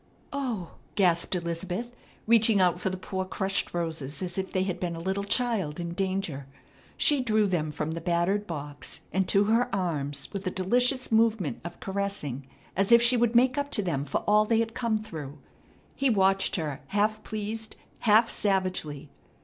"Oh!" gasped Elizabeth, reaching out for the poor crushed roses as if they had been a little child in danger. She drew them from the battered box and to her arms with a delicious movement of caressing, as if she would make up to them for all they had come through. He watched her, half pleased, half savagely.